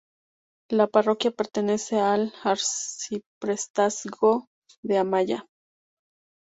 La parroquia pertenece al arciprestazgo de Amaya.